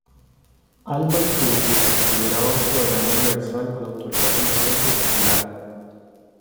Al-Mansur se consideraba un soberano universal con autoridad religiosa y secular.